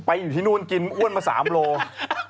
ไปอยู่ที่นู่นกินอ้วนมา๓โลกรัม